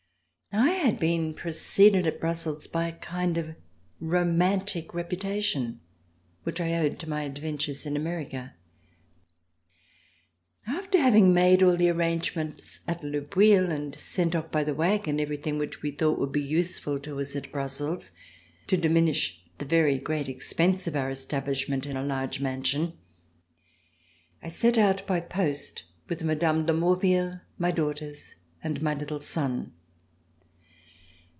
I had been preceded at Brussels by a kind of romantic reputation which I owed to my adventures in America. After having made all my arrangements at Le Boullh and sent off by the wagon everything which we thought would be useful to us at Brussels, to diminish the very great expense of our establishment in a large mansion, I set out by post with Mme. de Maurville, my daughters and my little son.